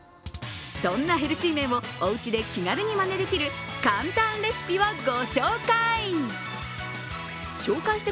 そんなヘルシー麺をおうちで気軽にまねできる簡単レシピをご紹介。